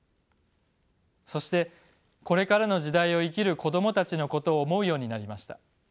そしてこれからの時代を生きる子どもたちのことを思うようになりました。